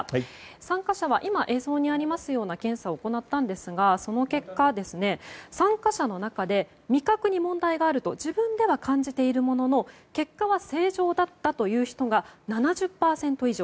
参加者は今、映像にありますような検査を行ったんですが、その結果参加者の中で味覚に問題があると自分では感じているものの結果は正常だったという人が７０％以上。